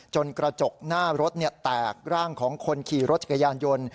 กระจกหน้ารถแตกร่างของคนขี่รถจักรยานยนต์